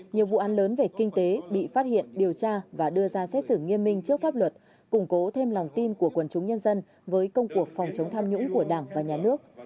nhiều vụ an lớn về kinh tế bị phát hiện điều tra và đưa ra xét xử nghiêm minh trước pháp luật củng cố thêm lòng tin của quần chúng nhân dân với công cuộc phòng chống tham nhũng của đảng và nhà nước